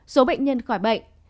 số bệnh nhân khỏi bệnh